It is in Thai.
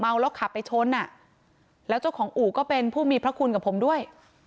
แล้วขับไปชนอ่ะแล้วเจ้าของอู่ก็เป็นผู้มีพระคุณกับผมด้วย